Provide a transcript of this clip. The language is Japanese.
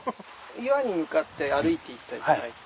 岩に向かって歩いていっていただいて。